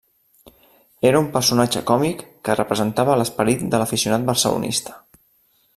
Era un personatge còmic que representava l'esperit de l'aficionat barcelonista.